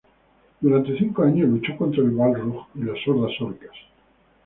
Durante cinco años luchó contra el balrog y las hordas orcas.